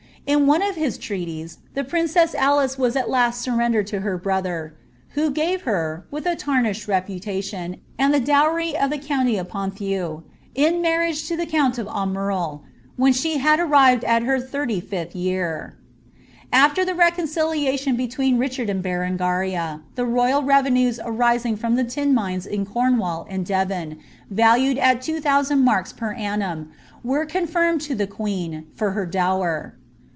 In one of his treaties, the prin cew Alice was at last surrendered to her brother, who gave her, with a tarnished reputation, and the dowry of the county of Ponthieu, in mar riage to ihB count of Aumerle, when she had arrived at her thirty fifth year. After the reconciliation between Richard and Berengaria, the royal levennet arising from the tin mines in Cornwall' and Devon, valued at * Rigord, Fieooh Chron. * HYm^i" t ¥ CB\et«L« 34 BEEE^OARtA OP KAVARRE. Vmu ihoussnd marks per arinum, were confirmeJ to thfi queen, for Iwr dower.